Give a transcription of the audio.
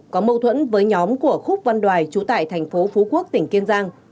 có mâu thuẫn với nhóm của khúc văn đoài trú tại tp hcm tỉnh kiên giang